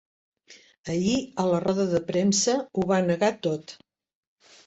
Ahir, a la roda de premsa, ho va negar tot.